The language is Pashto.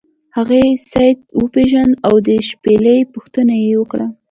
هغې سید وپیژنده او د شپیلۍ پوښتنه یې وکړه.